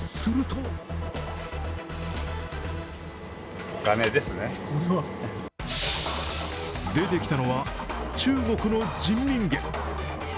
すると出てきたのは、中国の人民元。